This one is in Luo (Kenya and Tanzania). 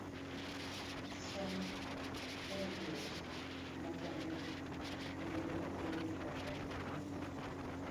Sam Kendrieks ma Ja-Amerka bende ne ogol oko e piemno.